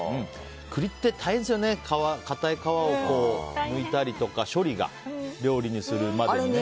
栗って大変ですよね硬い皮をむいたりとか処理が、料理にするまでにね。